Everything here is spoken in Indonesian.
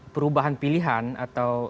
perubahan pilihan atau